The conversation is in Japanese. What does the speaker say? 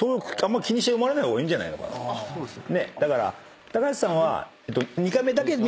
だから。